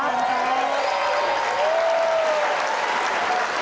ขอบคุณครับ